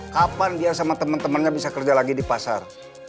kapan dia sama teman temannya bisa kerja lagi di pasar